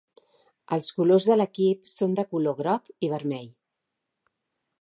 Els colors de l'equip són de color groc i vermell.